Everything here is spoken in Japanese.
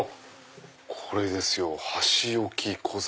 これですよ箸置き小皿。